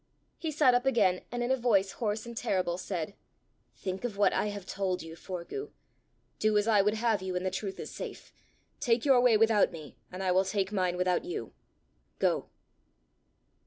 He sat up again, and in a voice hoarse and terrible said: "Think of what I have told you, Forgue. Do as I would have you, and the truth is safe; take your way without me, and I will take mine without you. Go."